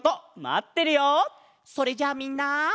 それじゃあみんな。